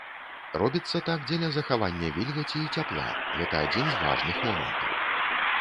Робіцца так дзеля захавання вільгаці і цяпла, гэта адзін з важных момантаў.